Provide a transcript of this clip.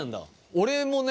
俺もね